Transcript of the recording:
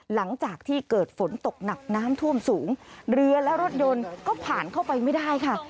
หลังจากที่เกิดฝนตกหนักน้ำท่วมสูงเรือและรถยนต์ก็ผ่านเข้าไปไม่ได้ค่ะ